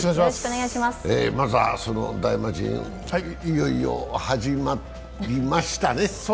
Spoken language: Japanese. まずはその大魔神、いよいよ始まりましたね。